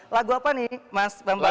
lagu apa nih mas bambang